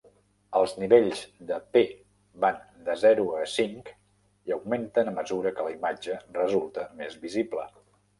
Els nivells de p van de zero a cinc i augmenten a mesura que la imatge resulta més visible.